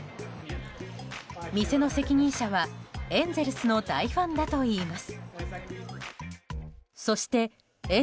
店の責任者は、エンゼルスの大ファンだといいます。